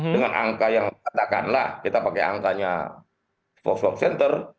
dengan angka yang katakanlah kita pakai angkanya volt lock center